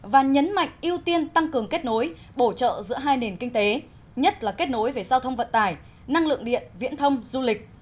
và nhấn mạnh ưu tiên tăng cường kết nối bổ trợ giữa hai nền kinh tế nhất là kết nối về giao thông vận tải năng lượng điện viễn thông du lịch